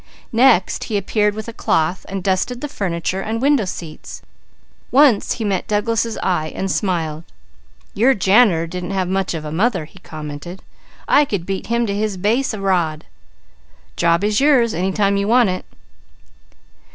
Next he appeared with a cloth and dusted the furniture and window seats. Once he met Douglas' eye and smiled. "Your janitor didn't have much of a mother," he commented. "I could beat him to his base a rod." "Job is yours any time you want it."